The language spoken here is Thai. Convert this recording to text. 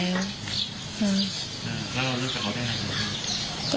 แล้วเรารู้จักเขาได้นานหนึ่งครับ